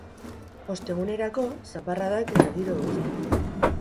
Ostegunerako, zaparradak eta giro hotza.